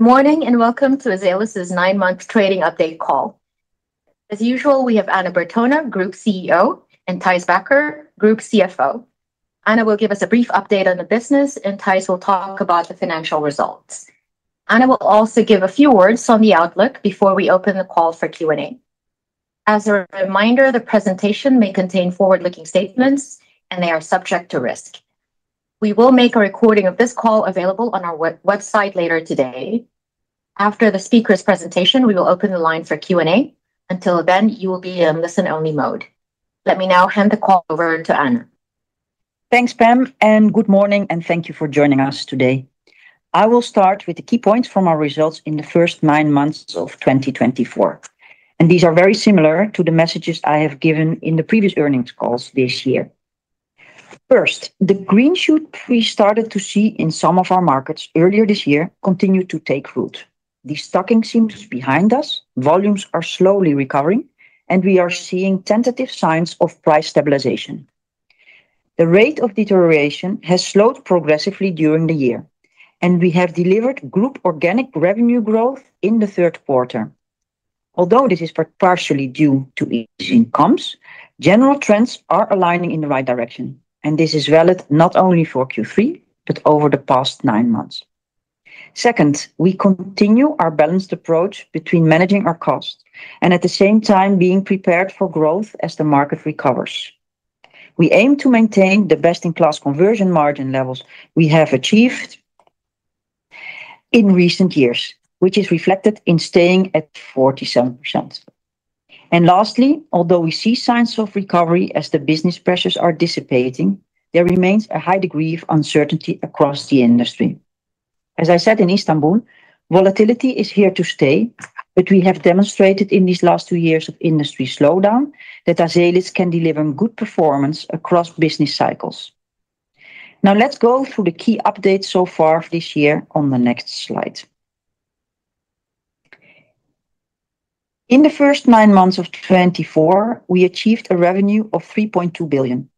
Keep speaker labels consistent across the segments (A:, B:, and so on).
A: Good morning, and welcome to Azelis' nine-month trading update call. As usual, we have Anna Bertona, Group CEO, and Thijs Bakker, Group CFO. Anna will give us a brief update on the business, and Thijs will talk about the financial results. Anna will also give a few words on the outlook before we open the call for Q&A. As a reminder, the presentation may contain forward-looking statements, and they are subject to risk. We will make a recording of this call available on our website later today. After the speaker's presentation, we will open the line for Q&A. Until then, you will be in listen-only mode. Let me now hand the call over to Anna.
B: Thanks, Pam, and good morning, and thank you for joining us today. I will start with the key points from our results in the first nine months of twenty twenty-four, and these are very similar to the messages I have given in the previous earnings calls this year. First, the green shoot we started to see in some of our markets earlier this year continued to take root. Destocking seems behind us. Volumes are slowly recovering, and we are seeing tentative signs of price stabilization. The rate of deterioration has slowed progressively during the year, and we have delivered group organic revenue growth in the third quarter. Although this is partially due to easing comps, general trends are aligning in the right direction, and this is valid not only for Q3 but over the past nine months. Second, we continue our balanced approach between managing our costs and, at the same time, being prepared for growth as the market recovers. We aim to maintain the best-in-class conversion margin levels we have achieved in recent years, which is reflected in staying at 47%. And lastly, although we see signs of recovery as the business pressures are dissipating, there remains a high degree of uncertainty across the industry. As I said in Istanbul, volatility is here to stay, but we have demonstrated in these last two years of industry slowdown that Azelis can deliver good performance across business cycles. Now, let's go through the key updates so far this year on the next slide. In the first nine months of 2024, we achieved a revenue of 3.2 billion.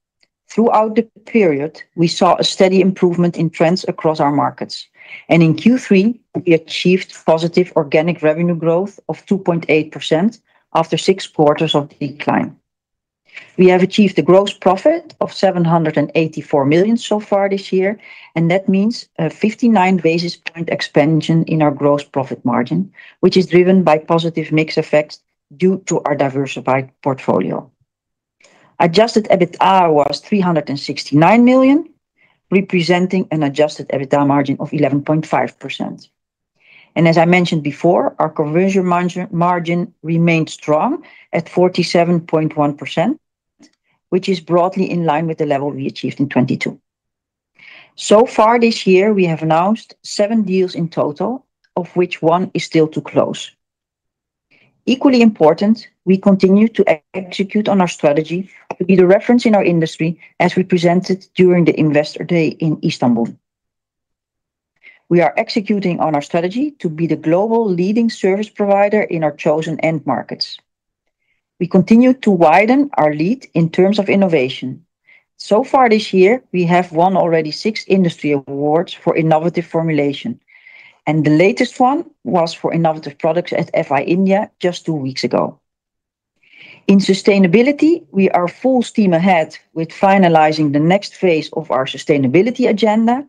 B: Throughout the period, we saw a steady improvement in trends across our markets, and in Q3, we achieved positive organic revenue growth of 2.8% after six quarters of decline. We have achieved a gross profit of 784 million so far this year, and that means a 59 basis points expansion in our gross profit margin, which is driven by positive mix effects due to our diversified portfolio. Adjusted EBITA was 369 million, representing an adjusted EBITDA margin of 11.5%. And as I mentioned before, our conversion margin remained strong at 47.1%, which is broadly in line with the level we achieved in 2022. So far this year, we have announced seven deals in total, of which one is still to close. Equally important, we continue to execute on our strategy to be the reference in our industry as we presented during the Investor Day in Istanbul. We are executing on our strategy to be the global leading service provider in our chosen end markets. We continue to widen our lead in terms of innovation. So far this year, we have won already six industry awards for innovative formulation, and the latest one was for innovative products at FI India just two weeks ago. In sustainability, we are full steam ahead with finalizing the next phase of our sustainability agenda,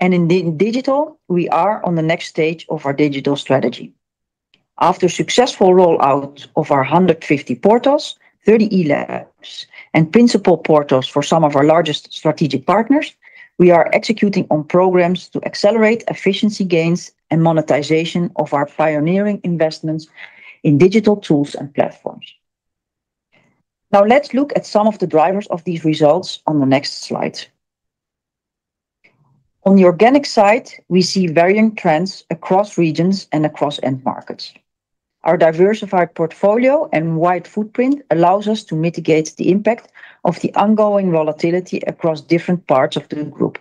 B: and in digital, we are on the next stage of our digital strategy. After successful rollout of our 150 portals, 30 eLabs, and principal portals for some of our largest strategic partners, we are executing on programs to accelerate efficiency gains and monetization of our pioneering investments in digital tools and platforms. Now, let's look at some of the drivers of these results on the next slide. On the organic side, we see varying trends across regions and across end markets. Our diversified portfolio and wide footprint allows us to mitigate the impact of the ongoing volatility across different parts of the group.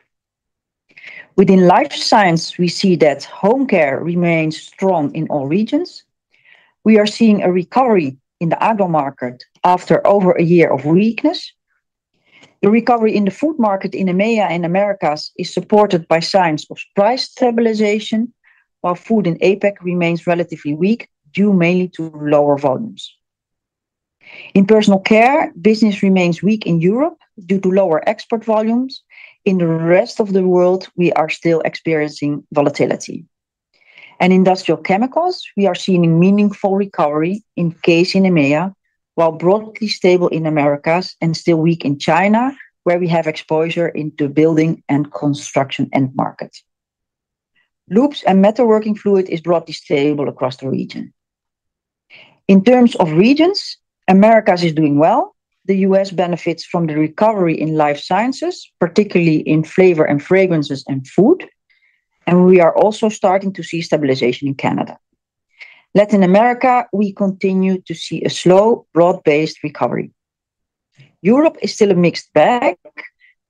B: Within life science, we see that home care remains strong in all regions. We are seeing a recovery in the agro market after over a year of weakness. The recovery in the food market in MEA and Americas is supported by signs of price stabilization, while food in APAC remains relatively weak, due mainly to lower volumes. In personal care, business remains weak in Europe due to lower export volumes. In the rest of the world, we are still experiencing volatility. In industrial chemicals, we are seeing meaningful recovery in CASE in EMEA, while broadly stable in Americas and still weak in China, where we have exposure into building and construction end markets. Lubes and metalworking fluid is broadly stable across the region. In terms of regions, Americas is doing well. The U.S. benefits from the recovery in life sciences, particularly in flavors and fragrances and food, and we are also starting to see stabilization in Canada. Latin America, we continue to see a slow, broad-based recovery. Europe is still a mixed bag,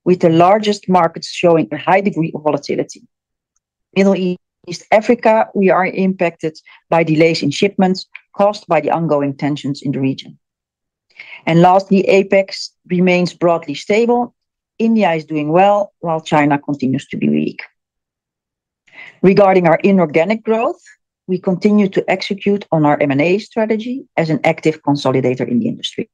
B: with the largest markets showing a high degree of volatility. Middle East, East Africa, we are impacted by delays in shipments caused by the ongoing tensions in the region. Lastly, APAC remains broadly stable. India is doing well, while China continues to be weak. Regarding our inorganic growth, we continue to execute on our M&A strategy as an active consolidator in the industry.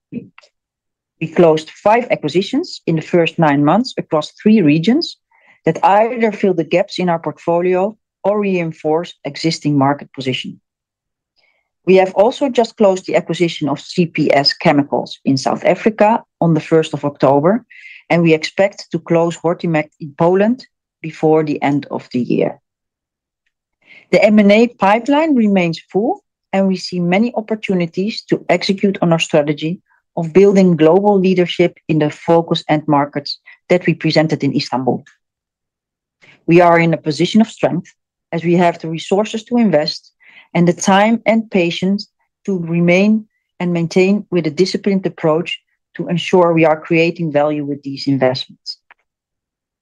B: We closed five acquisitions in the first nine months across three regions that either fill the gaps in our portfolio or reinforce existing market position. We have also just closed the acquisition of CPS Chemicals in South Africa on the first of October, and we expect to close Hortimex in Poland before the end of the year. The M&A pipeline remains full, and we see many opportunities to execute on our strategy of building global leadership in the focus end markets that we presented in Istanbul. We are in a position of strength as we have the resources to invest and the time and patience to remain and maintain with a disciplined approach to ensure we are creating value with these investments.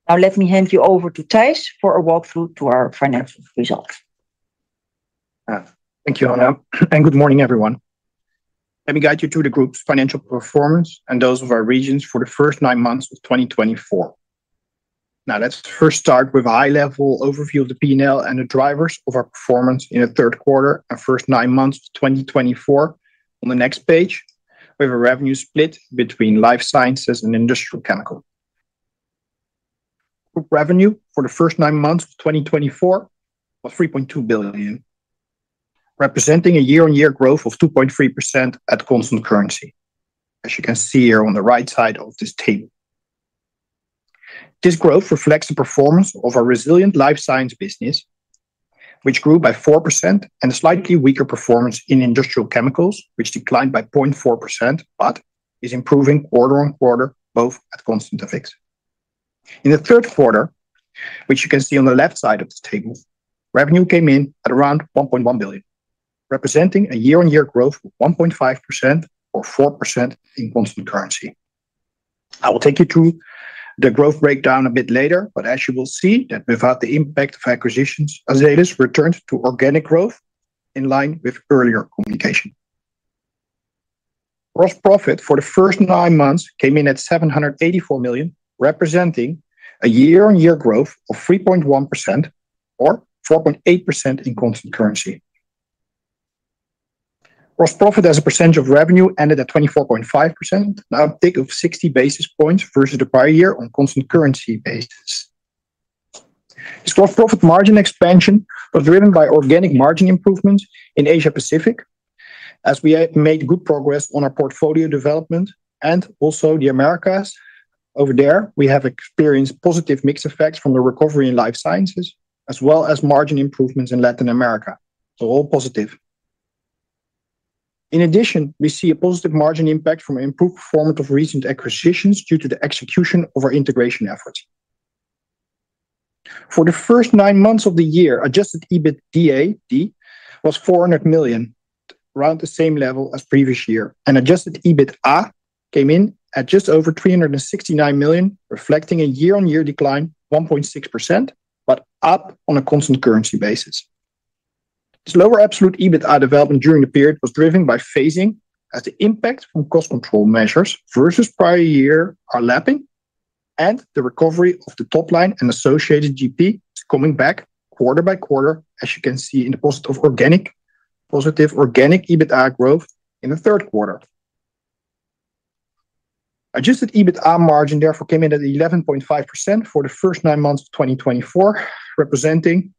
B: Now, let me hand you over to Thijs for a walkthrough to our financial results.
C: Thank you, Anna, and good morning, everyone. Let me guide you through the group's financial performance and those of our regions for the first nine months of 2024. Now, let's first start with a high-level overview of the P&L and the drivers of our performance in the third quarter and first nine months of 2024. On the next page, we have a revenue split between life sciences and industrial chemical. Group revenue for the first nine months of 2024 was 3.2 billion, representing a year-on-year growth of 2.3% at constant currency, as you can see here on the right side of this table. This growth reflects the performance of our resilient life sciences business, which grew by 4%, and a slightly weaker performance in industrial chemicals, which declined by 0.4%, but is improving quarter on quarter, both at constant FX. In the third quarter, which you can see on the left side of this table, revenue came in at around 1.1 billion, representing a year-on-year growth of 1.5% or 4% in constant currency. I will take you through the growth breakdown a bit later, but as you will see, that without the impact of acquisitions, Azelis returned to organic growth in line with earlier communication. Gross profit for the first nine months came in at 784 million, representing a year-on-year growth of 3.1% or 4.8% in constant currency. Gross profit as a percentage of revenue ended at 24.5%, an uptick of 60 basis points versus the prior year on constant currency basis. This gross profit margin expansion was driven by organic margin improvements in Asia Pacific, as we have made good progress on our portfolio development and also the Americas. Over there, we have experienced positive mix effects from the recovery in life sciences, as well as margin improvements in Latin America, so all positive. In addition, we see a positive margin impact from improved performance of recent acquisitions due to the execution of our integration efforts. For the first nine months of the year, Adjusted EBITDA was 400 million, around the same level as previous year, and Adjusted EBITA came in at just over 369 million, reflecting a year-on-year decline, 1.6%, but up on a constant currency basis. This lower absolute EBITA development during the period was driven by phasing as the impact from cost control measures versus prior year are lapping and the recovery of the top line and associated GP is coming back quarter by quarter, as you can see in the positive organic EBITA growth in the third quarter. Adjusted EBITA margin therefore came in at 11.5% for the first nine months of 2024, representing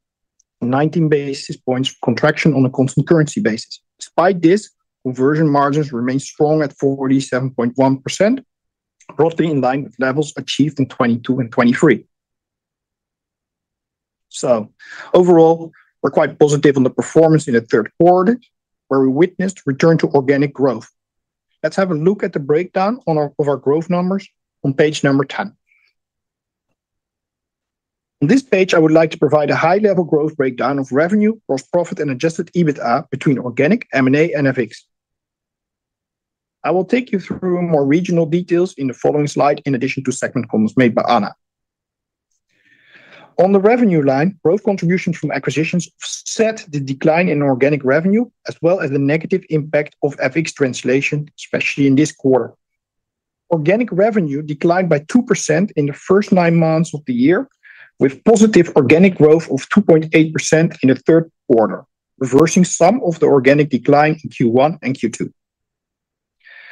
C: nineteen basis points contraction on a constant currency basis. Despite this, conversion margins remained strong at 47.1%, roughly in line with levels achieved in 2022 and 2023. So overall, we're quite positive on the performance in the third quarter, where we witnessed return to organic growth. Let's have a look at the breakdown of our growth numbers on page 10. On this page, I would like to provide a high-level growth breakdown of revenue, gross profit, and adjusted EBITA between organic, M&A, and FX. I will take you through more regional details in the following slide, in addition to segment comments made by Anna. On the revenue line, growth contributions from acquisitions offset the decline in organic revenue, as well as the negative impact of FX translation, especially in this quarter. Organic revenue declined by 2% in the first nine months of the year, with positive organic growth of 2.8% in the third quarter, reversing some of the organic decline in Q1 and Q2.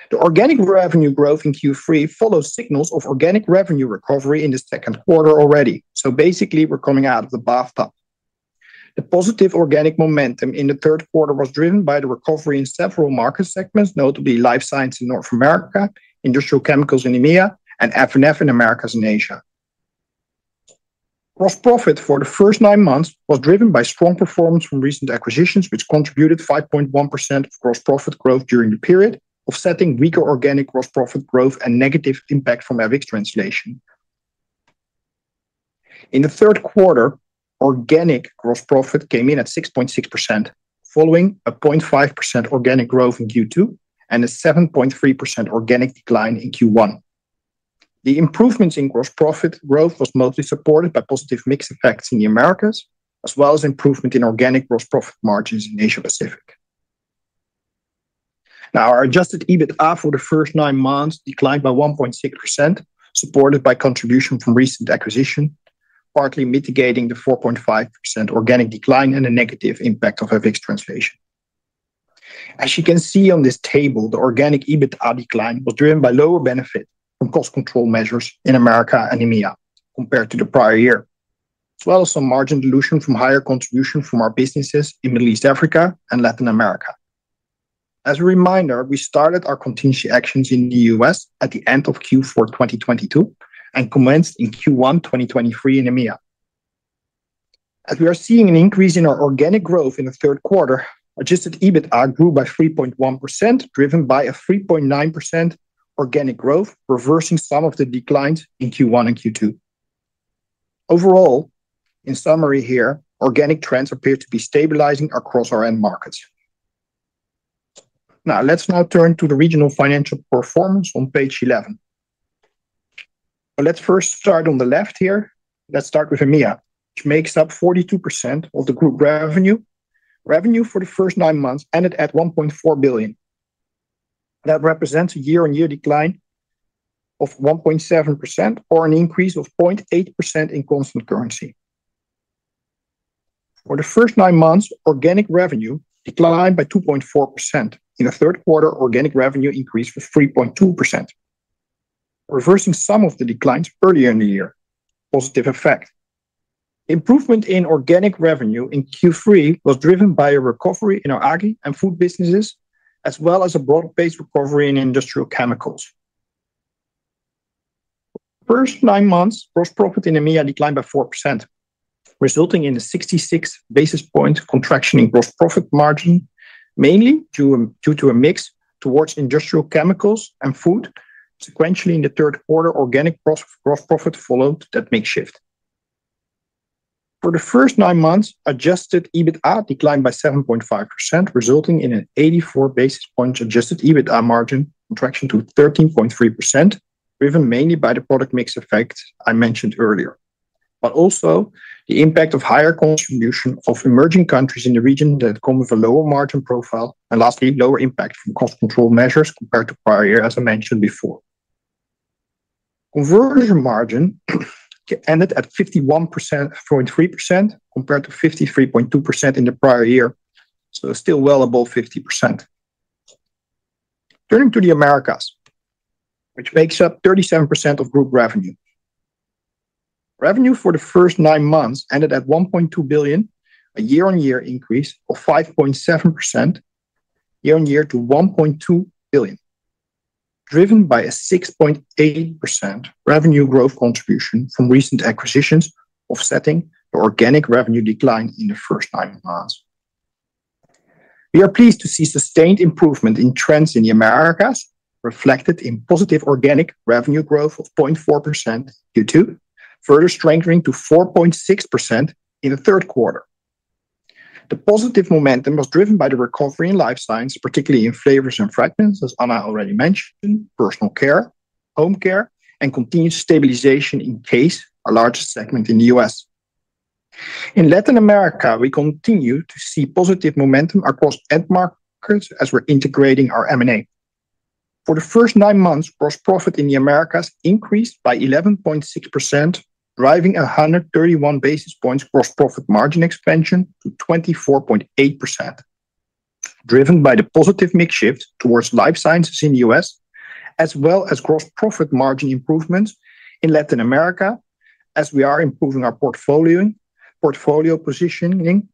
C: The organic revenue growth in Q3 follows signals of organic revenue recovery in the second quarter already, so basically, we're coming out of the bathtub. The positive organic momentum in the third quarter was driven by the recovery in several market segments, notably life science in North America, industrial chemicals in EMEA, and F&F in Americas and Asia. Gross profit for the first nine months was driven by strong performance from recent acquisitions, which contributed 5.1% of gross profit growth during the period, offsetting weaker organic gross profit growth and negative impact from FX translation. In the third quarter, organic gross profit came in at 6.6%, following a 0.5% organic growth in Q2 and a 7.3% organic decline in Q1. The improvements in gross profit growth was mostly supported by positive mix effects in the Americas, as well as improvement in organic gross profit margins in Asia Pacific. Now, our adjusted EBITDA for the first nine months declined by 1.6%, supported by contribution from recent acquisition, partly mitigating the 4.5% organic decline and the negative impact of FX translation. As you can see on this table, the organic EBITDA decline was driven by lower benefit from cost control measures in Americas and EMEA compared to the prior year, as well as some margin dilution from higher contribution from our businesses in Middle East, Africa, and Latin America. As a reminder, we started our contingency actions in the U.S. at the end of Q4 2022 and commenced in Q1 2023 in EMEA. As we are seeing an increase in our organic growth in the third quarter, Adjusted EBITDA grew by 3.1%, driven by a 3.9% organic growth, reversing some of the declines in Q1 and Q2. Overall, in summary here, organic trends appear to be stabilizing across our end markets. Now, let's now turn to the regional financial performance on page 11. But let's first start on the left here. Let's start with EMEA, which makes up 42% of the group revenue. Revenue for the first nine months ended at 1.4 billion. That represents a year-on-year decline of 1.7% or an increase of 0.8% in constant currency. For the first nine months, organic revenue declined by 2.4%. In the third quarter, organic revenue increased by 3.2%, reversing some of the declines earlier in the year. Positive effect. Improvement in organic revenue in Q3 was driven by a recovery in our agri and food businesses, as well as a broad-based recovery in industrial chemicals. First nine months, gross profit in EMEA declined by 4%, resulting in a 66 basis points contraction in gross profit margin, mainly due to a mix towards industrial chemicals and food. Sequentially, in the third quarter, organic gross profit followed that mix shift. For the first nine months, adjusted EBITDA declined by 7.5%, resulting in an 84 basis points adjusted EBITDA margin contraction to 13.3%, driven mainly by the product mix effect I mentioned earlier. But also the impact of higher contribution of emerging countries in the region that come with a lower margin profile, and lastly, lower impact from cost control measures compared to prior year, as I mentioned before. Conversion margin ended at 51.3%, compared to 53.2% in the prior year, so still well above 50%. Turning to the Americas, which makes up 37% of group revenue. Revenue for the first nine months ended at 1.2 billion, a year-on-year increase of 5.7% year-on-year to 1.2 billion, driven by a 6.8% revenue growth contribution from recent acquisitions, offsetting the organic revenue decline in the first nine months. We are pleased to see sustained improvement in trends in the Americas, reflected in positive organic revenue growth of 0.4% Q2, further strengthening to 4.6% in the third quarter. The positive momentum was driven by the recovery in life sciences, particularly in flavors and fragrances, as Anna already mentioned, personal care, home care, and continued stabilization in CASE, our largest segment in the US. In Latin America, we continue to see positive momentum across end markets as we're integrating our M&A. For the first nine months, gross profit in the Americas increased by 11.6%, driving 131 basis points gross profit margin expansion to 24.8%, driven by the positive mix shift towards life sciences in the US, as well as gross profit margin improvements in Latin America as we are improving our portfolio, portfolio positioning.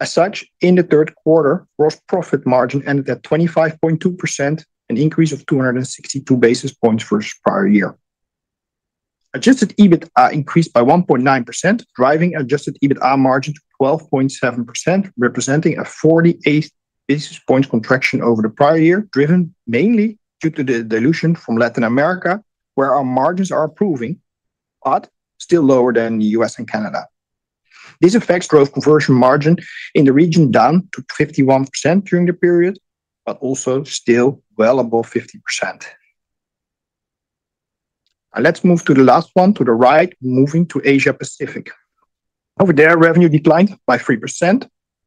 C: As such, in the third quarter, gross profit margin ended at 25.2%, an increase of 262 basis points versus prior year. Adjusted EBITDA increased by 1.9%, driving adjusted EBITDA margin to 12.7%, representing a 48 basis point contraction over the prior year, driven mainly due to the dilution from Latin America, where our margins are improving, but still lower than the U.S. and Canada. These effects drove conversion margin in the region down to 51% during the period, but also still well above 50%. And let's move to the last one, to the right, moving to Asia Pacific. Over there, revenue declined by 3%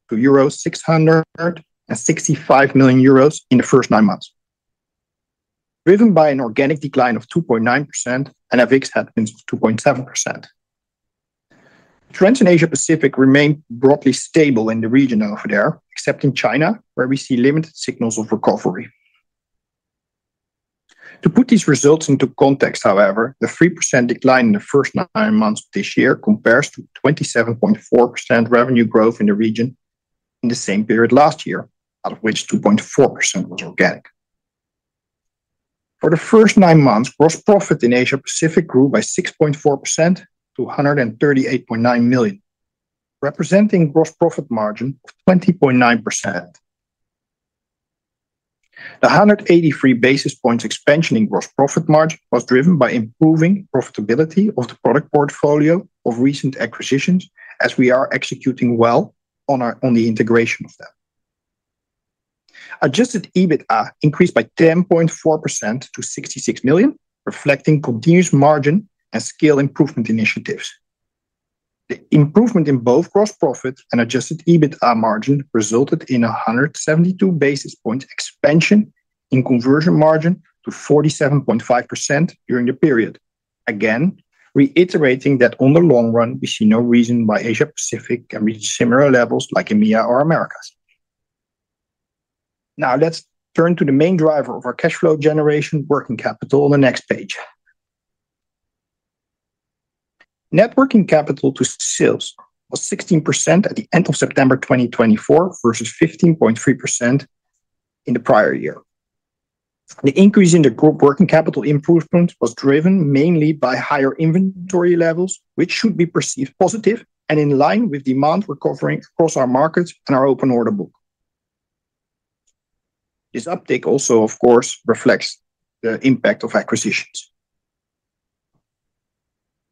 C: to 665 million euros in the first nine months, driven by an organic decline of 2.9% and a FX headwind of 2.7%. Trends in Asia Pacific remain broadly stable in the region over there, except in China, where we see limited signals of recovery. To put these results into context, however, the 3% decline in the first nine months of this year compares to 27.4% revenue growth in the region in the same period last year, out of which 2.4% was organic. For the first nine months, gross profit in Asia Pacific grew by 6.4% to 138.9 million, representing gross profit margin of 20.9%. The 183 basis points expansion in gross profit margin was driven by improving profitability of the product portfolio of recent acquisitions, as we are executing well on the integration of that. Adjusted EBITA increased by 10.4% to 66 million, reflecting continuous margin and scale improvement initiatives. The improvement in both gross profit and Adjusted EBITA margin resulted in a 172 basis points expansion in conversion margin to 47.5% during the period. Again, reiterating that on the long run, we see no reason why Asia Pacific can reach similar levels like EMEA or Americas. Now, let's turn to the main driver of our cash flow generation, working capital, on the next page. Net working capital to sales was 16% at the end of September 2024 versus 15.3% in the prior year. The increase in the group working capital improvement was driven mainly by higher inventory levels, which should be perceived positive and in line with demand recovering across our markets and our open order book. This uptick also, of course, reflects the impact of acquisitions.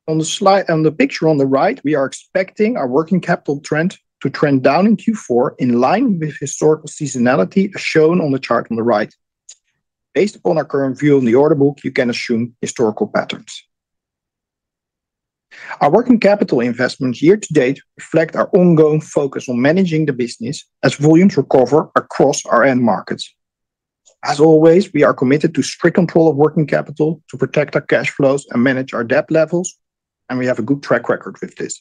C: On the slide, on the picture on the right, we are expecting our working capital trend to trend down in Q4, in line with historical seasonality, as shown on the chart on the right. Based upon our current view on the order book, you can assume historical patterns. Our working capital investments year to date reflect our ongoing focus on managing the business as volumes recover across our end markets. As always, we are committed to strict control of working capital to protect our cash flows and manage our debt levels, and we have a good track record with this.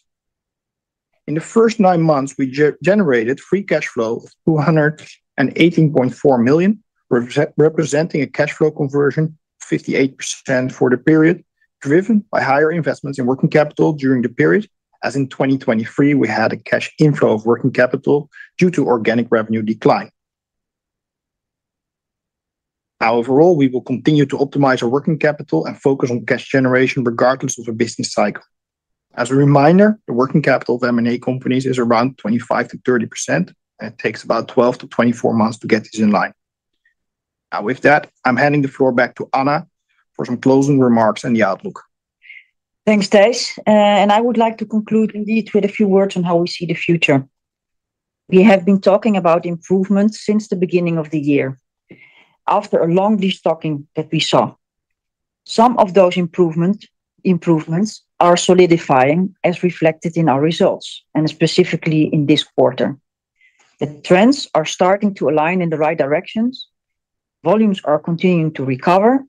C: In the first nine months, we generated free cash flow of 218.4 million, representing a cash flow conversion of 58% for the period, driven by higher investments in working capital during the period. As in 2023, we had a cash inflow of working capital due to organic revenue decline. Overall, we will continue to optimize our working capital and focus on cash generation regardless of the business cycle. As a reminder, the working capital of M&A companies is around 25%-30%, and it takes about 12-24 months to get this in line. Now, with that, I'm handing the floor back to Anna for some closing remarks on the outlook.
B: Thanks, Thijs. And I would like to conclude indeed with a few words on how we see the future. We have been talking about improvements since the beginning of the year after a long destocking that we saw. Some of those improvement, improvements are solidifying, as reflected in our results, and specifically in this quarter. The trends are starting to align in the right directions. Volumes are continuing to recover.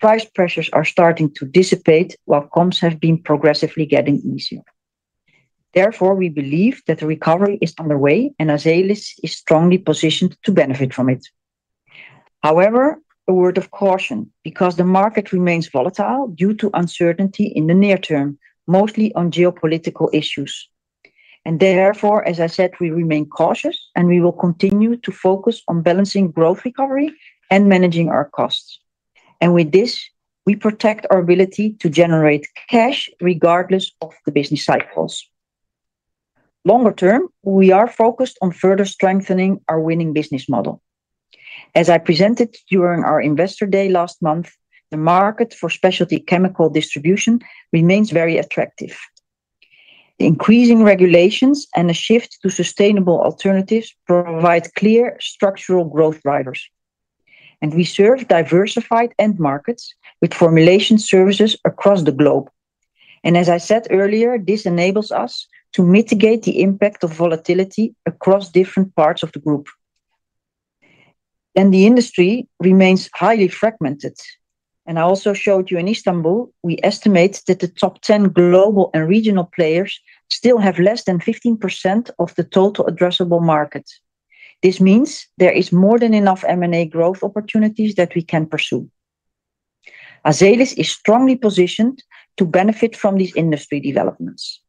B: Price pressures are starting to dissipate, while comps have been progressively getting easier. Therefore, we believe that the recovery is underway, and Azelis is strongly positioned to benefit from it. However, a word of caution, because the market remains volatile due to uncertainty in the near term, mostly on geopolitical issues, and therefore, as I said, we remain cautious, and we will continue to focus on balancing growth recovery and managing our costs. With this, we protect our ability to generate cash regardless of the business cycles. Longer term, we are focused on further strengthening our winning business model. As I presented during our Investor Day last month, the market for specialty chemical distribution remains very attractive. The increasing regulations and a shift to sustainable alternatives provide clear structural growth drivers, and we serve diversified end markets with formulation services across the globe. As I said earlier, this enables us to mitigate the impact of volatility across different parts of the group. The industry remains highly fragmented. I also showed you in Istanbul, we estimate that the top 10 global and regional players still have less than 15% of the total addressable market. This means there is more than enough M&A growth opportunities that we can pursue. Azelis is strongly positioned to benefit from these industry developments.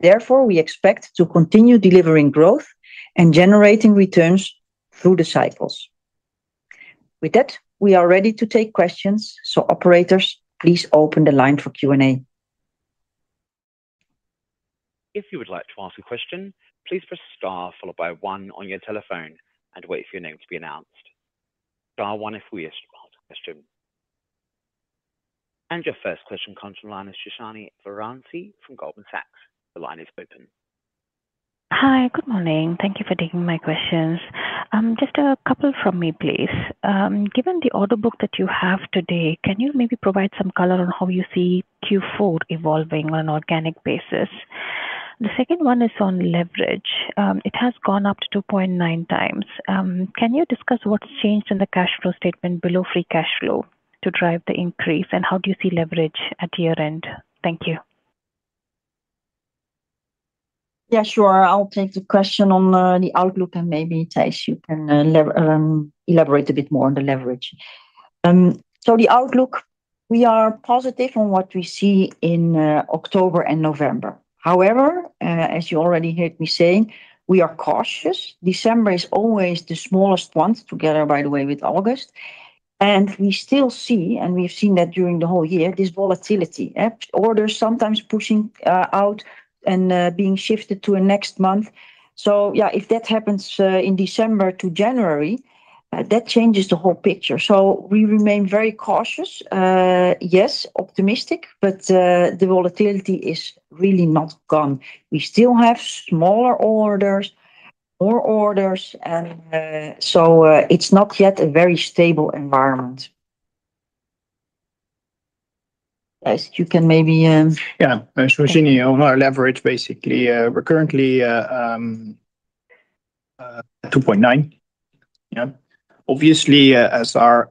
B: Therefore, we expect to continue delivering growth and generating returns through the cycles. With that, we are ready to take questions. So operators, please open the line for Q&A.
D: If you would like to ask a question, please press star followed by one on your telephone and wait for your name to be announced. Star one if you have a question. Your first question comes from the line of Suhasini Varanasi from Goldman Sachs. The line is open.
E: Hi. Good morning. Thank you for taking my questions. Just a couple from me, please. Given the order book that you have today, can you maybe provide some color on how you see Q4 evolving on an organic basis? The second one is on leverage. It has gone up to 2.9 times. Can you discuss what's changed in the cash flow statement below free cash flow to drive the increase, and how do you see leverage at year-end? Thank you.
B: Yeah, sure. I'll take the question on the outlook, and maybe, Thijs, you can elaborate a bit more on the leverage. So the outlook, we are positive on what we see in October and November. However, as you already heard me saying, we are cautious. December is always the smallest one, together, by the way, with August. And we still see, and we've seen that during the whole year, this volatility. Orders sometimes pushing out and being shifted to a next month. So yeah, if that happens in December to January, that changes the whole picture. So we remain very cautious. Yes, optimistic, but the volatility is really not gone. We still have smaller orders, more orders, and so it's not yet a very stable environment.... Yes, you can maybe,
C: Yeah, so, Virginie, on our leverage, basically, we're currently two point nine. Yeah. Obviously, as our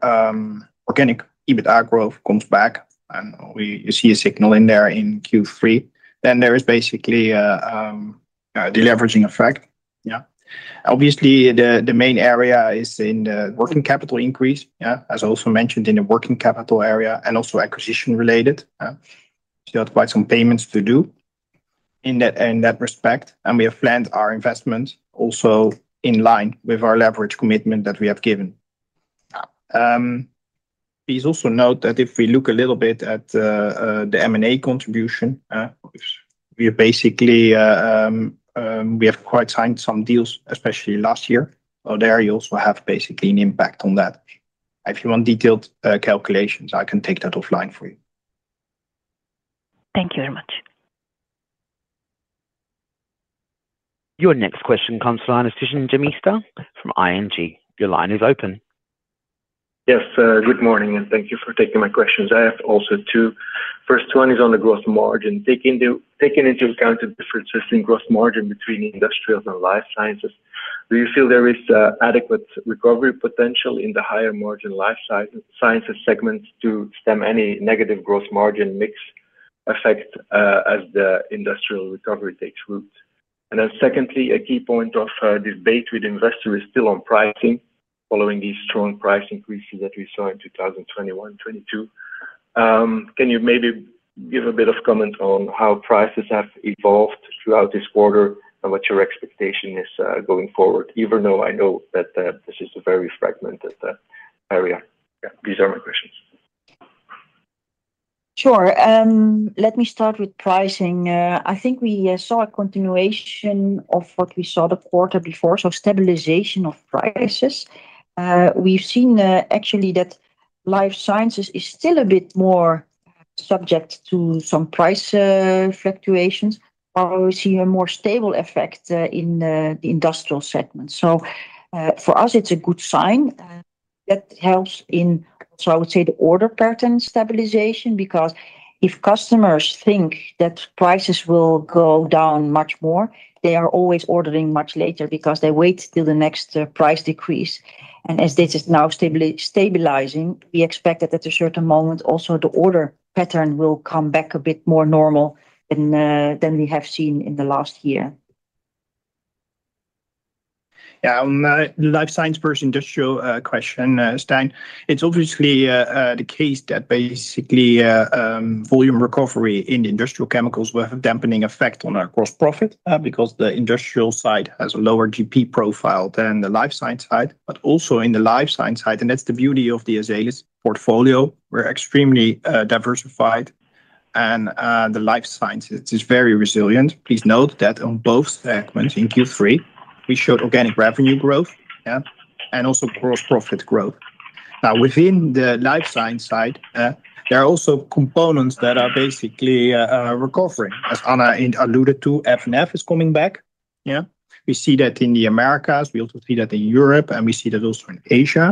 C: organic EBITA growth comes back and we see a signal in there in Q3, then there is basically a deleveraging effect. Yeah. Obviously, the main area is in the working capital increase, yeah, as also mentioned in the working capital area, and also acquisition related, yeah. So you have quite some payments to do in that, in that respect, and we have planned our investment also in line with our leverage commitment that we have given. Please also note that if we look a little bit at the M&A contribution, we are basically, we have quite signed some deals, especially last year. So there you also have basically an impact on that. If you want detailed calculations, I can take that offline for you.
E: Thank you very much.
D: Your next question comes from the line of Stijn Demeester from ING. Your line is open.
F: Yes, good morning, and thank you for taking my questions. I have also two. First one is on the growth margin. Taking into account the differences in growth margin between industrials and life sciences, do you feel there is adequate recovery potential in the higher margin life sciences segments to stem any negative growth margin mix effect as the industrial recovery takes root? And then secondly, a key point of debate with investor is still on pricing, following these strong price increases that we saw in 2021, 2022. Can you maybe give a bit of comment on how prices have evolved throughout this quarter and what your expectation is going forward? Even though I know that this is a very fragmented area. Yeah, these are my questions.
B: Sure. Let me start with pricing. I think we saw a continuation of what we saw the quarter before, so stabilization of prices. We've seen, actually, that life sciences is still a bit more subject to some price fluctuations, while we see a more stable effect in the industrial segment. So, for us, it's a good sign that helps in, so I would say, the order pattern stabilization. Because if customers think that prices will go down much more, they are always ordering much later because they wait till the next price decrease. And as this is now stabilizing, we expect that at a certain moment, also the order pattern will come back a bit more normal than we have seen in the last year.
C: Yeah. On the life science versus industrial question, Stijn, it's obviously the case that basically volume recovery in industrial chemicals will have dampening effect on our gross profit because the industrial side has a lower GP profile than the life science side. But also in the life science side, and that's the beauty of the Azelis portfolio, we're extremely diversified and the life sciences is very resilient. Please note that on both segments in Q3, we showed organic revenue growth, yeah, and also gross profit growth. Now, within the life science side, there are also components that are basically recovering. As Anna alluded to, F&F is coming back. Yeah. We see that in the Americas. We also see that in Europe, and we see that also in Asia.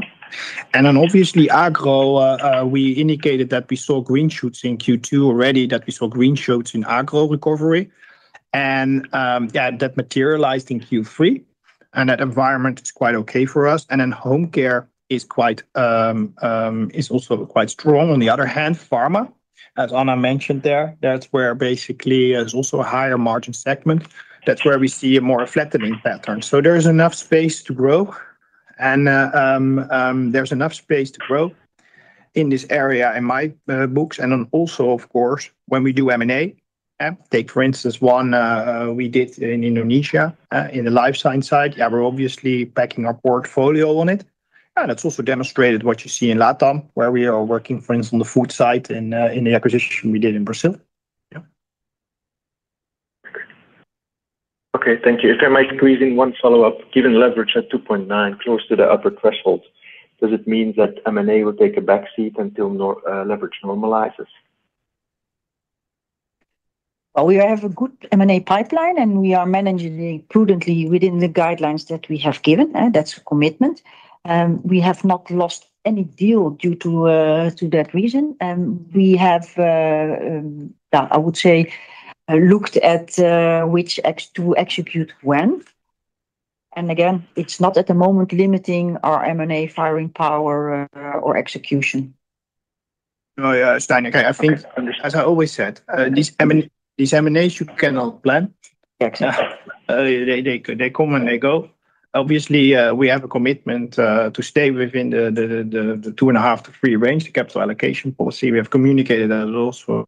C: And then obviously, Agro, we indicated that we saw green shoots in Q2 already, that we saw green shoots in agro recovery and, yeah, that materialized in Q3, and that environment is quite okay for us. And then home care is quite, is also quite strong. On the other hand, pharma, as Anna mentioned there, that's where basically there's also a higher margin segment. That's where we see a more flattening pattern. So there's enough space to grow in this area, in my books. And then also, of course, when we do M&A, take, for instance, one we did in Indonesia, in the life sciences side. Yeah, we're obviously backing our portfolio on it, and it's also demonstrated what you see in LATAM, where we are working, for instance, on the food side in, in the acquisition we did in Brazil. Yeah.
F: Okay. Thank you. If I might squeeze in one follow-up, given leverage at two point nine, close to the upper threshold, does it mean that M&A will take a backseat until leverage normalizes?
B: We have a good M&A pipeline, and we are managing it prudently within the guidelines that we have given, and that's a commitment. We have not lost any deal due to that reason. We have, I would say, looked at which next to execute when. Again, it's not at the moment limiting our M&A firing power or execution.
C: Oh, yeah, Stijn. I think, as I always said, these M&As, you cannot plan.
F: Exactly.
C: They come, and they go. Obviously, we have a commitment to stay within the two and a half to three range, the capital allocation policy. We have communicated that also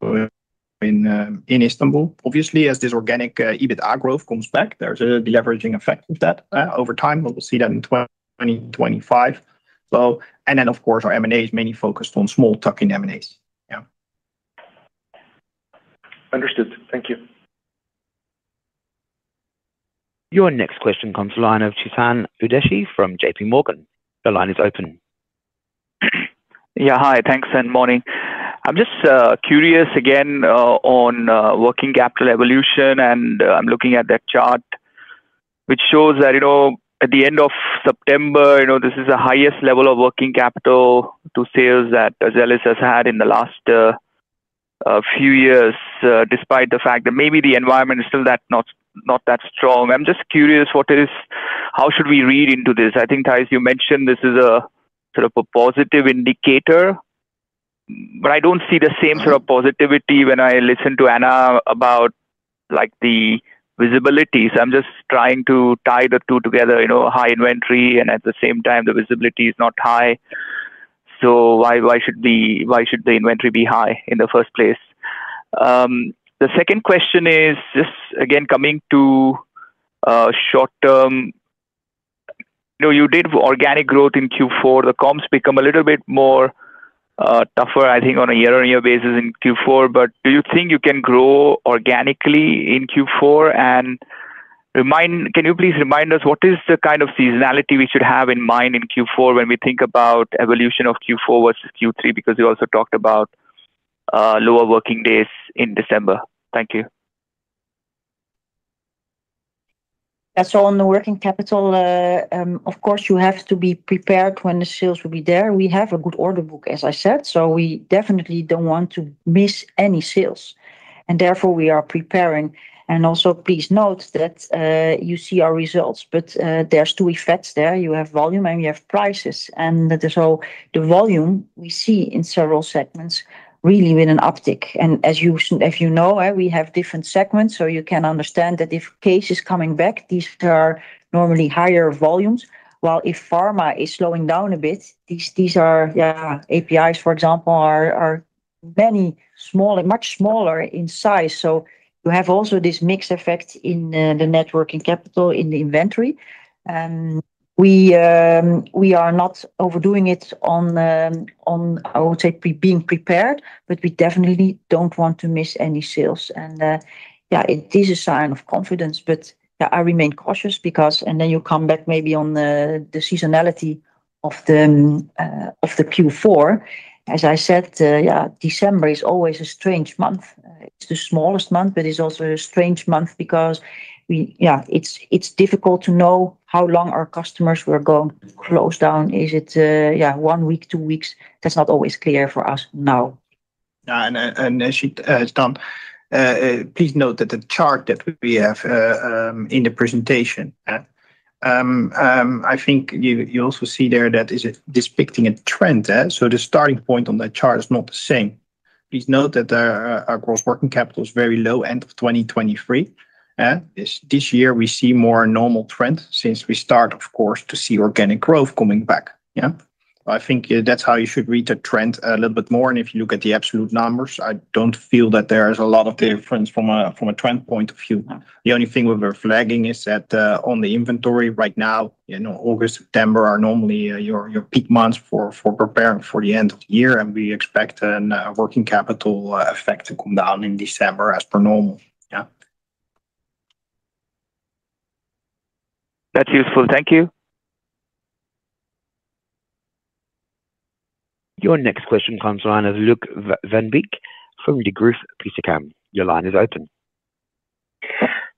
C: in Istanbul. Obviously, as this organic EBITA growth comes back, there's a deleveraging effect of that over time. We will see that in 2025. So... And then, of course, our M&A is mainly focused on small tuck-in M&As. Yeah.
F: Understood. Thank you.
D: Your next question comes line of Chetan Udeshi from J.P. Morgan. The line is open.
G: Yeah, hi. Thanks, and morning. I'm just curious again on working capital evolution, and I'm looking at that chart. Which shows that, you know, at the end of September, you know, this is the highest level of working capital to sales that Azelis has had in the last a few years, despite the fact that maybe the environment is still not that strong. I'm just curious, what is how should we read into this? I think, Thijs, you mentioned this is a sort of a positive indicator, but I don't see the same sort of positivity when I listen to Anna about, like, the visibilities. I'm just trying to tie the two together, you know, high inventory and at the same time, the visibility is not high. So why should the inventory be high in the first place? The second question is this, again, coming to short term. You know, you did organic growth in Q4. The comps become a little bit more tougher, I think, on a year-on-year basis in Q4, but do you think you can grow organically in Q4? Can you please remind us what is the kind of seasonality we should have in mind in Q4 when we think about evolution of Q4 versus Q3? Because you also talked about lower working days in December. Thank you.
B: And so on the working capital, of course, you have to be prepared when the sales will be there. We have a good order book, as I said, so we definitely don't want to miss any sales, and therefore, we are preparing. And also, please note that, you see our results, but, there are two effects there. You have volume and you have prices. And so the volume we see in several segments really with an uptick. And as you, if you know, we have different segments, so you can understand that if CASE is coming back, these are normally higher volumes, while if pharma is slowing down a bit, these are APIs, for example, are much smaller in size. So you have also this mixed effect in the net working capital in the inventory. We are not overdoing it on the, on, I would say, being prepared, but we definitely don't want to miss any sales. And yeah, it is a sign of confidence, but I remain cautious because... And then you come back maybe on the seasonality of the Q4. As I said, December is always a strange month. It's the smallest month, but it's also a strange month because it's difficult to know how long our customers were going to close down. Is it one week, two weeks? That's not always clear for us now.
C: As she has done, please note that the chart that we have in the presentation. I think you also see there that is depicting a trend. So the starting point on that chart is not the same. Please note that our gross working capital is very low end of 2023. This year we see more normal trend since we start, of course, to see organic growth coming back. Yeah. I think that's how you should read the trend a little bit more, and if you look at the absolute numbers, I don't feel that there is a lot of difference from a trend point of view. The only thing we were flagging is that, on the inventory right now, you know, August, September, are normally your peak months for preparing for the end of the year, and we expect an working capital effect to come down in December as per normal. Yeah.
G: That's useful. Thank you.
D: Your next question comes from Luuk Van Beek from Degroof Petercam. Your line is open.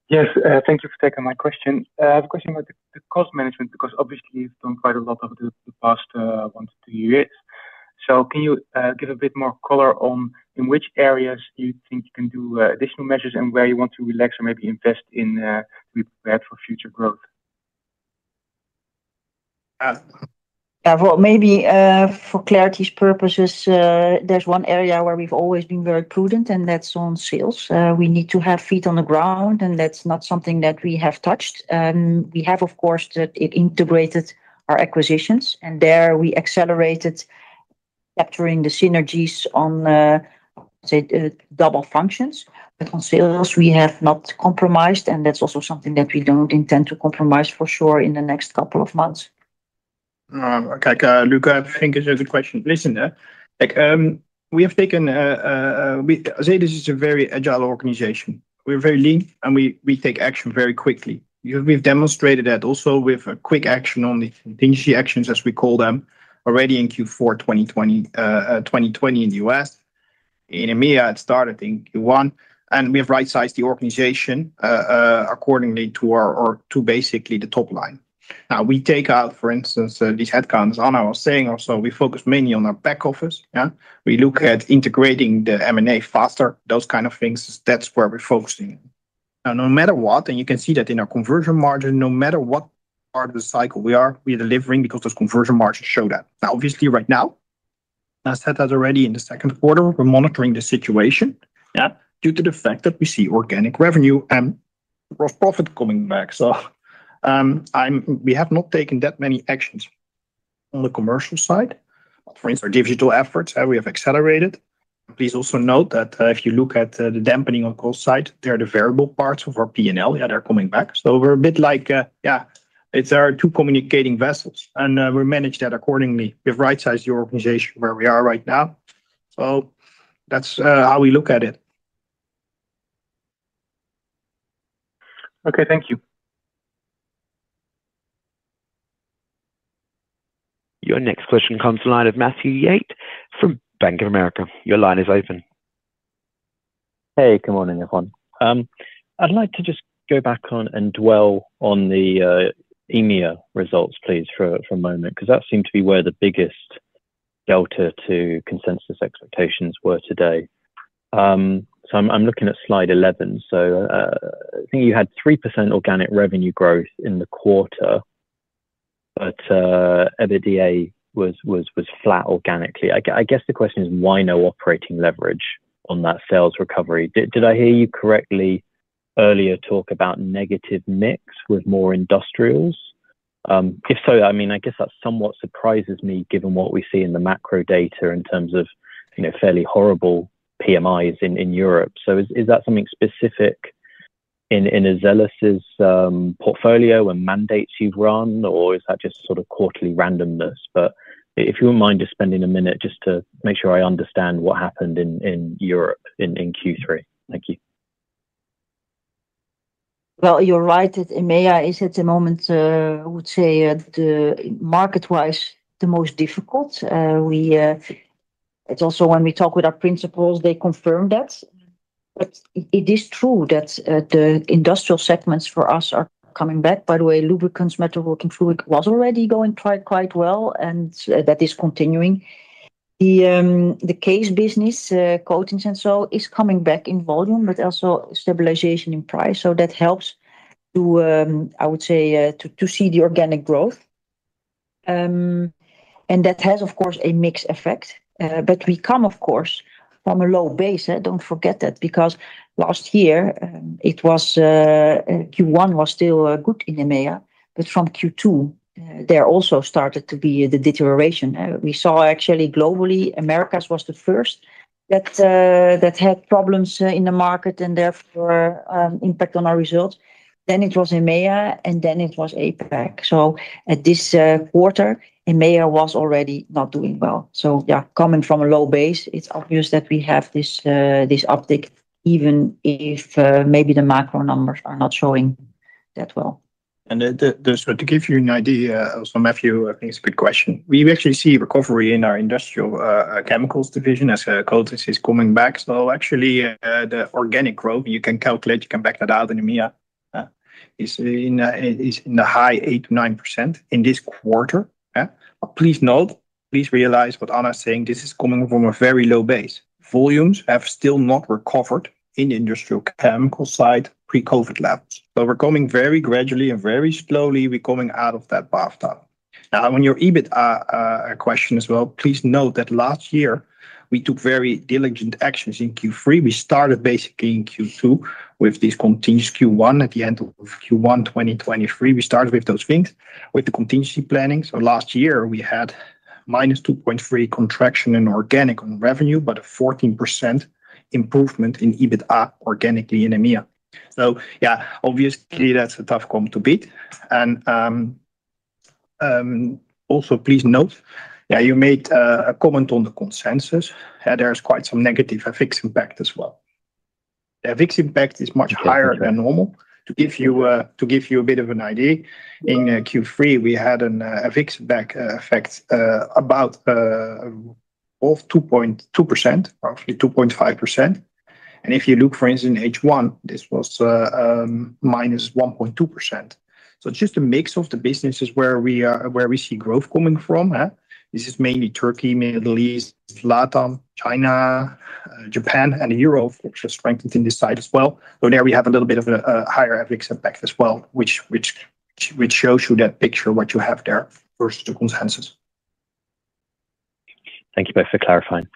H: Yes, thank you for taking my question. I have a question about the, the cost management, because obviously you've done quite a lot over the past, one to two years. So can you give a bit more color on in which areas do you think you can do, additional measures and where you want to relax or maybe invest in, to be prepared for future growth?
B: Well, maybe, for clarity's purposes, there's one area where we've always been very prudent, and that's on sales. We need to have feet on the ground, and that's not something that we have touched. We have, of course, that it integrated our acquisitions, and there we accelerated capturing the synergies on the, say, double functions. But on sales, we have not compromised, and that's also something that we don't intend to compromise for sure in the next couple of months.
C: Okay, Luuk, I think it's a good question. Listen, like, we have taken Azelis is a very agile organization. We're very lean, and we take action very quickly. We've demonstrated that also with a quick action on the contingency actions, as we call them, already in Q4, 2020 in the U.S. In EMEA, it started in Q1, and we have right-sized the organization, accordingly to our or to basically the top line. Now, we take out, for instance, these headcounts. Anna was saying also, we focus mainly on our back office. Yeah. We look at integrating the M&A faster, those kind of things. That's where we're focusing. Now, no matter what, and you can see that in our conversion margin, no matter what part of the cycle we are, we are delivering because those conversion margins show that. Now, obviously, right now, I said that already in the second quarter, we're monitoring the situation, yeah, due to the fact that we see organic revenue and gross profit coming back. So, we have not taken that many actions on the commercial side. For instance, our digital efforts, we have accelerated. Please also note that, if you look at the dampening on cost side, they are the variable parts of our PNL, yeah, they're coming back. So we're a bit like, yeah, it's our two communicating vessels, and, we manage that accordingly. We've right-sized the organization where we are right now. So that's, how we look at it.
H: Okay. Thank you.
D: Your next question comes from the line of Matthew Yates from Bank of America. Your line is open.
I: Hey, good morning, everyone. I'd like to just go back on and dwell on the EMEA results, please, for a moment, 'cause that seemed to be where the biggest delta to consensus expectations were today. So I'm looking at slide 11. So, I think you had 3% organic revenue growth in the quarter, but EBITDA was flat organically. I guess the question is, why no operating leverage on that sales recovery? Did I hear you correctly earlier talk about negative mix with more industrials? If so, I mean, I guess that somewhat surprises me, given what we see in the macro data in terms of, you know, fairly horrible PMIs in Europe. So is that something specific in Azelis' portfolio and mandates you've run, or is that just sort of quarterly randomness? But if you wouldn't mind just spending a minute just to make sure I understand what happened in Europe in Q3? Thank you.
B: You're right that EMEA is at the moment, I would say, the market-wise, the most difficult. It's also when we talk with our principals, they confirm that. But it is true that the industrial segments for us are coming back. By the way, lubricants, metalworking fluid was already going quite well, and that is continuing. The case business, coatings and so, is coming back in volume, but also stabilization in price. So that helps to, I would say, to see the organic growth. And that has, of course, a mixed effect. But we come, of course, from a low base, eh? Don't forget that, because last year, it was Q1 was still good in EMEA, but from Q2, there also started to be the deterioration. We saw actually globally, Americas was the first that had problems in the market and therefore impact on our results. Then it was EMEA, and then it was APAC. So at this quarter, EMEA was already not doing well. So yeah, coming from a low base, it is obvious that we have this uptick, even if maybe the macro numbers are not showing that well.
C: And so to give you an idea, also, Matthew, I think it's a good question. We actually see recovery in our industrial chemicals division, as coatings is coming back. So actually, the organic growth, you can calculate, you can back that out in EMEA, is in the high 8-9% in this quarter. Eh? But please note, please realize what Anna is saying, this is coming from a very low base. Volumes have still not recovered in industrial chemicals side pre-COVID levels, but we're coming very gradually and very slowly, we're coming out of that bathtub. Now, on your EBIT question as well, please note that last year we took very diligent actions in Q3. We started basically in Q2 with this contingency Q1. At the end of Q1 2023, we started with those things, with the contingency planning. So last year we had -2.3% contraction in organic revenue, but a 14% improvement in EBIT organically in EMEA. So yeah, obviously, that's a tough comp to beat. And also, please note, yeah, you made a comment on the consensus. There's quite some negative FX impact as well. The FX impact is much higher than normal. To give you a bit of an idea, in Q3, we had an FX tailwind effect of about 2.2%, roughly 2.5%. And if you look, for instance, in H1, this was minus 1.2%. So it's just a mix of the businesses where we see growth coming from, eh? This is mainly Turkey, Middle East, LatAm, China, Japan, and Europe, which has strengthened in this side as well. So there we have a little bit of a higher FX impact as well, which shows you that picture, what you have there versus the consensus.
I: Thank you both for clarifying.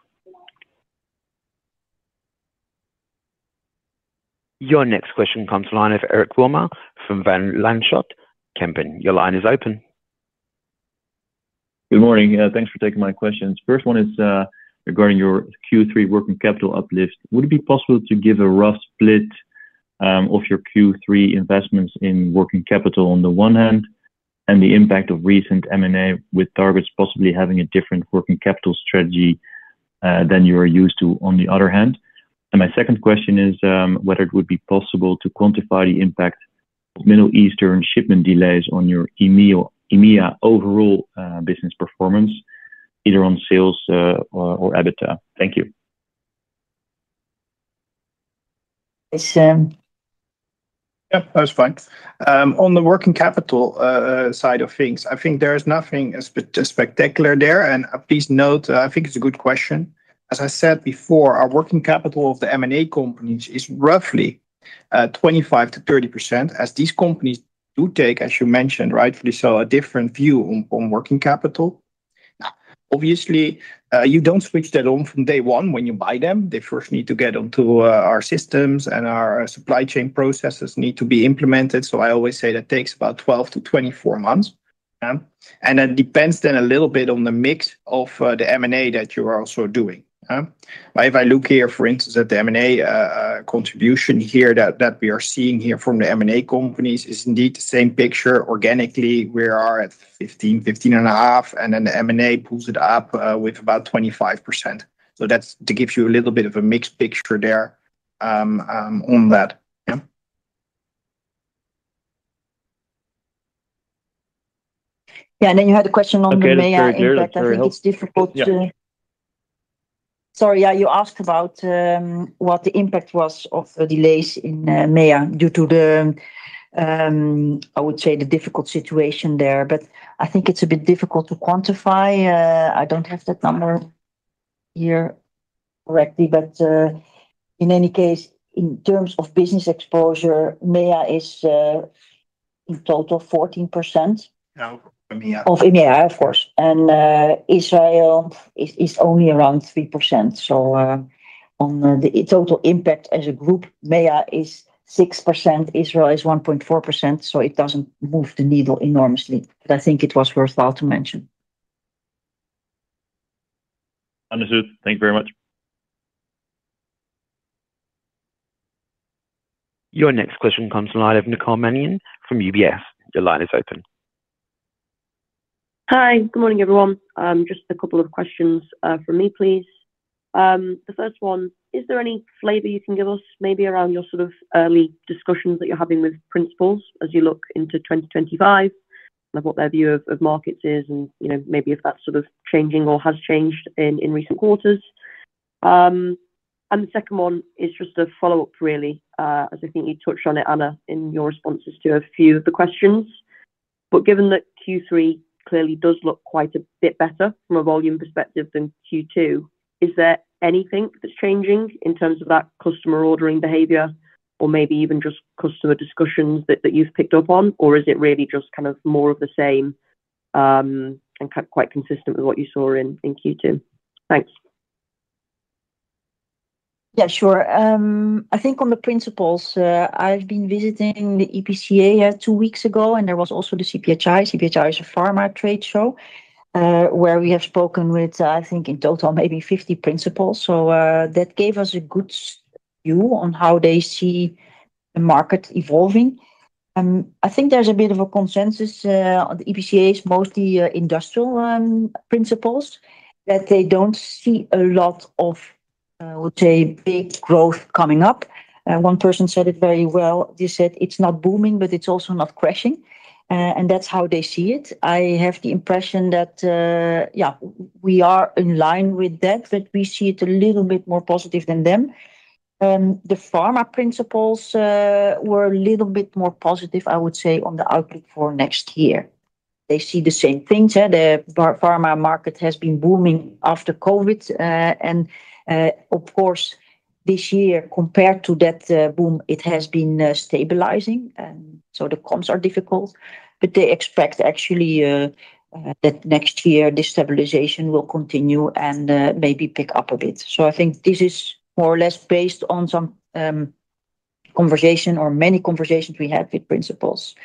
D: Your next question comes to line of Eric Wilmer from Van Lanschot Kempen. Your line is open.
J: Good morning. Thanks for taking my questions. First one is regarding your Q3 working capital uplift. Would it be possible to give a rough split of your Q3 investments in working capital on the one hand, and the impact of recent M&A, with targets possibly having a different working capital strategy than you are used to, on the other hand? And my second question is whether it would be possible to quantify the impact of Middle Eastern shipment delays on your EMEA overall business performance, either on sales or EBITDA. Thank you.
C: Yeah, that's fine. On the working capital side of things, I think there is nothing spectacular there, and please note, I think it's a good question. As I said before, our working capital of the M&A companies is roughly 25%-30%, as these companies do take, as you mentioned, rightfully so, a different view on working capital. Now, obviously, you don't switch that on from day one when you buy them. They first need to get onto our systems, and our supply chain processes need to be implemented, so I always say that takes about 12-24 months, and that depends then a little bit on the mix of the M&A that you are also doing. If I look here, for instance, at the M&A contribution that we are seeing here from the M&A companies, is indeed the same picture. Organically, we are at 15-15.5%, and then the M&A pulls it up with about 25%. So that's to give you a little bit of a mixed picture there, on that. Yeah? Yeah, and then you had a question on the MEA impact. I think it's difficult to- Yeah.
B: Sorry, yeah, you asked about what the impact was of the delays in EMEA due to the, I would say, the difficult situation there, but I think it's a bit difficult to quantify. I don't have that number here correctly, but in any case, in terms of business exposure, EMEA is in total 14%.
C: Of MEA.
B: Of EMEA, of course, and Israel is only around 3%. So, on the total impact as a group, EMEA is 6%, Israel is 1.4%, so it doesn't move the needle enormously, but I think it was worthwhile to mention.
J: Understood. Thank you very much.
D: Your next question comes to the line of Nicole Manion from UBS. Your line is open.
K: Hi. Good morning, everyone. Just a couple of questions from me, please. The first one, is there any flavor you can give us, maybe around your sort of early discussions that you're having with principals as you look into 2025, and what their view of markets is, and, you know, maybe if that's sort of changing or has changed in recent quarters? And the second one is just a follow-up, really, as I think you touched on it, Anna, in your responses to a few of the questions, but given that Q3 clearly does look quite a bit better from a volume perspective than Q2, is there anything that's changing in terms of that customer ordering behavior, or maybe even just customer discussions that you've picked up on? Or is it really just kind of more of the same, and quite consistent with what you saw in Q2? Thanks.
B: Yeah, sure. I think on the principals, I've been visiting the EPCA two weeks ago, and there was also the CPHI. CPHI is a pharma trade show, where we have spoken with, I think, in total, maybe 50 principals. So, that gave us a good view on how they see the market evolving. I think there's a bit of a consensus, on the EPCAs, mostly, industrial, principals, that they don't see a lot of, I would say, big growth coming up. One person said it very well. They said, "It's not booming, but it's also not crashing." And that's how they see it. I have the impression that, yeah, we are in line with that, but we see it a little bit more positive than them. The pharma principals were a little bit more positive, I would say, on the outlook for next year. They see the same things. The pharma market has been booming after COVID, and, of course, this year, compared to that boom, it has been stabilizing. So the comps are difficult, but they expect actually that next year, this stabilization will continue and maybe pick up a bit. So I think this is more or less based on some conversation or many conversations we had with principals.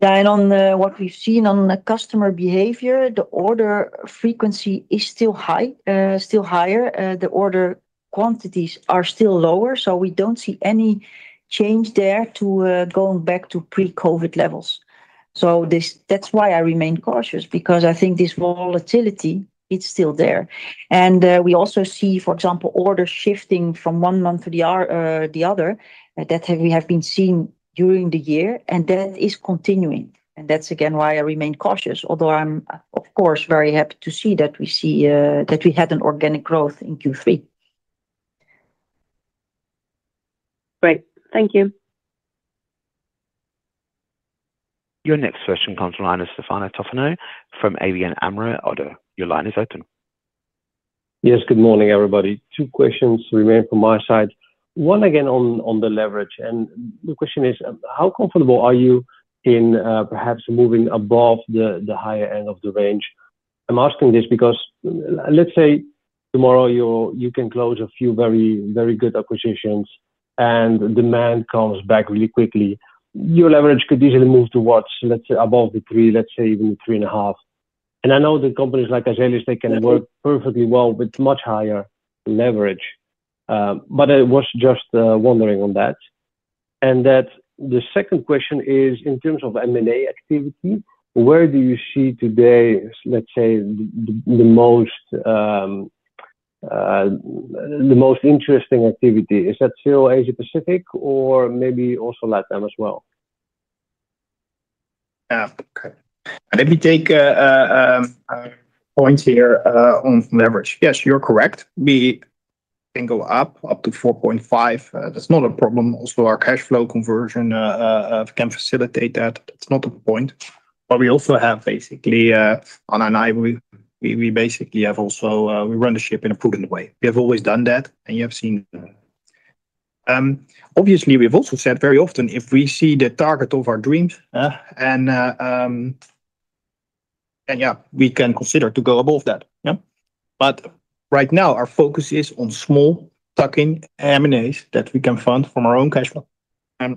B: Then, on what we've seen on the customer behavior, the order frequency is still high, still higher. The order quantities are still lower, so we don't see any change there to going back to pre-COVID levels. So that's why I remain cautious because I think this volatility, it's still there. And we also see, for example, orders shifting from one month to the other that we have been seeing during the year, and that is continuing. And that's again why I remain cautious, although I'm, of course, very happy to see that we see that we had an organic growth in Q3.
K: Great. Thank you.
D: Your next question comes to the line of Stefano Tofano from ABN AMRO - ODDO BHF. Your line is open.
L: Yes, good morning, everybody. Two questions remain from my side. One again on the leverage, and the question is, how comfortable are you in perhaps moving above the higher end of the range? I'm asking this because let's say tomorrow, you can close a few very, very good acquisitions and demand comes back really quickly, your leverage could easily move towards, let's say, above the three, let's say even three and a half. And I know that companies like Azelis, they can work perfectly well with much higher leverage. But I was just wondering on that. And the second question is, in terms of M&A activity, where do you see today, let's say, the most interesting activity? Is that still Asia-Pacific or maybe also Latin as well?
C: Yeah. Okay. Let me take points here on leverage. Yes, you're correct. We can go up to 4.5. That's not a problem. Also, our cash flow conversion can facilitate that. That's not the point. But we also have basically Anna and I. We basically have also run the ship in a prudent way. We have always done that, and you have seen. Obviously, we've also said very often, if we see the target of our dreams, and yeah, we can consider to go above that. Yeah. But right now, our focus is on small tuck-in M&As that we can fund from our own cash flow, and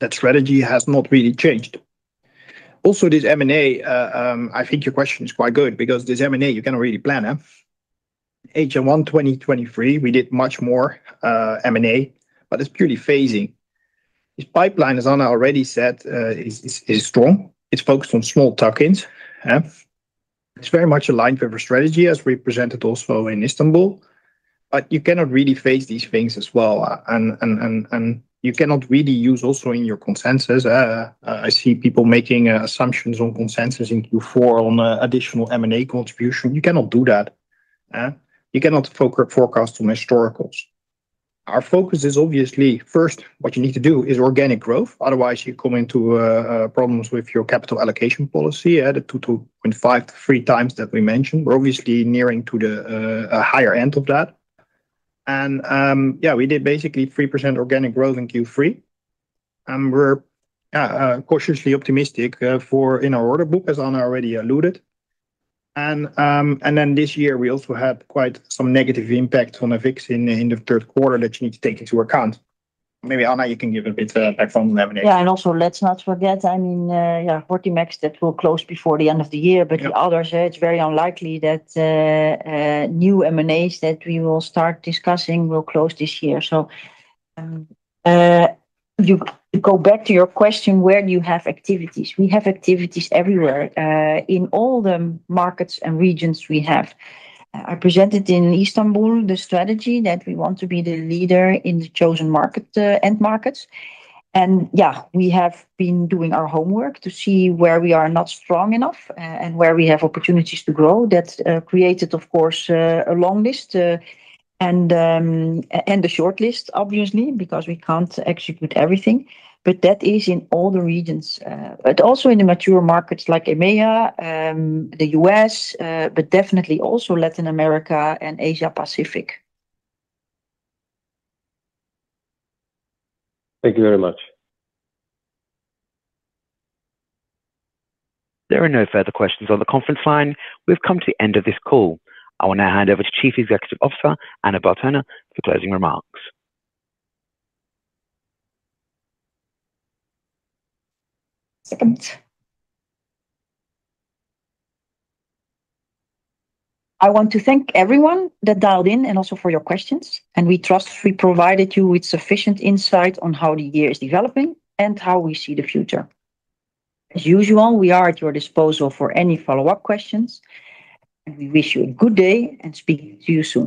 C: that strategy has not really changed. Also, this M&A, I think your question is quite good because this M&A, you cannot really plan, huh? H1 2023, we did much more M&A, but it's purely phasing. This pipeline, as Anna already said, is strong. It's focused on small tuck-ins, yeah. It's very much aligned with our strategy as we presented also in Istanbul. But you cannot really phase these things as well, and you cannot really use also in your consensus. I see people making assumptions on consensus in Q4 on additional M&A contribution. You cannot do that? You cannot forecast on historicals. Our focus is obviously first, what you need to do is organic growth, otherwise you come into problems with your capital allocation policy at a 2.5 to 3 times that we mentioned. We're obviously nearing to the a higher end of that. Yeah, we did basically 3% organic growth in Q3, and we're cautiously optimistic for in our order book, as Anna already alluded. And then this year, we also had quite some negative impact on the FX in the third quarter that you need to take into account. Maybe, Anna, you can give a bit of background on M&A.
B: Yeah, and also let's not forget, I mean, yeah, Hortimex that will close before the end of the year.
C: Yep.
B: But the others, it's very unlikely that new M&As that we will start discussing will close this year. So, you go back to your question, where do you have activities? We have activities everywhere, in all the markets and regions we have. I presented in Istanbul the strategy that we want to be the leader in the chosen market, end markets. And yeah, we have been doing our homework to see where we are not strong enough and where we have opportunities to grow. That's created, of course, a long list and a short list, obviously, because we can't execute everything, but that is in all the regions, but also in the mature markets like EMEA, the U.S., but definitely also Latin America and Asia Pacific.
L: Thank you very much.
D: There are no further questions on the conference line. We've come to the end of this call. I will now hand over to Chief Executive Officer, Anna Bertona, for closing remarks.
B: Second. I want to thank everyone that dialed in, and also for your questions, and we trust we provided you with sufficient insight on how the year is developing and how we see the future. As usual, we are at your disposal for any follow-up questions, and we wish you a good day and speak to you soon.